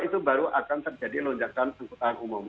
itu baru akan terjadi lonjakan angkutan umum